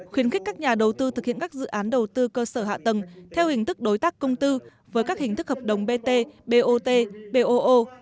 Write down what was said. khuyến khích các nhà đầu tư thực hiện các dự án đầu tư cơ sở hạ tầng theo hình thức đối tác công tư với các hình thức hợp đồng bt bot